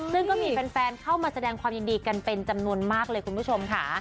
ซึ่งก็มีแฟนเข้ามาแสดงความยินดีกันเป็นจำนวนมากเลยคุณผู้ชมค่ะ